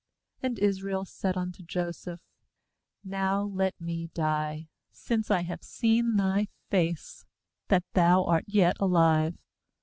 s°And Israel^said unto Joseph: ' Now let me die, since I have seen thy face, that thou art yet alive.'